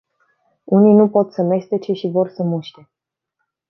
Unii nu pot să mestece și vor să muște!